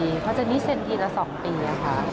เพราะอาแฮนด์หนี้เซศน์ทีละ๒ปีละค่ะ